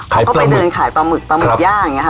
เขาก็ไปเดินขายปลาหมึกปลาหมึกย่างอย่างนี้ค่ะ